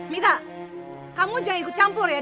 mita kamu jangan ikut campur ya